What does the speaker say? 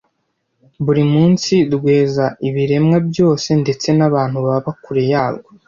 buri munsi rweza ibiremwa byose Ndetse n’abantu baba kure yarwo